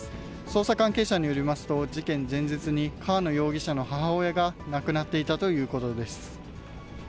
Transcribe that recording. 捜査関係者によりますと、事件前日に川野容疑者の母親が亡くなっていたということです。